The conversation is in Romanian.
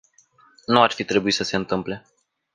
Nu ar fi trebuit să se întâmple.